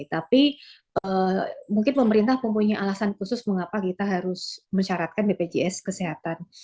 tapi mungkin pemerintah mempunyai alasan khusus mengapa kita harus mensyaratkan bpjs kesehatan